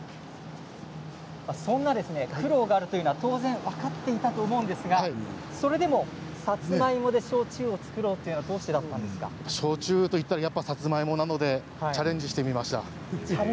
そんな苦労があるというのは当然分かっていたと思うんですがそれでも、さつまいもで焼酎を造ろうというのは焼酎といったらやっぱりさつまいもなのでチャレンジしてみました。